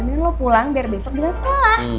biar lo pulang biar besok bisa sekolah